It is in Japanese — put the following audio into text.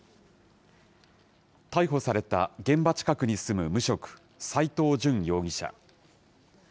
逮捕された現場近くに住む無職、斎藤淳容疑者。